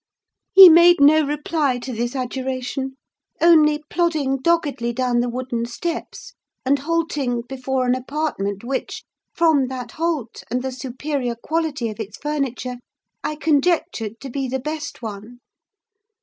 He made no reply to this adjuration; only plodding doggedly down the wooden steps, and halting before an apartment which, from that halt and the superior quality of its furniture, I conjectured to be the best one.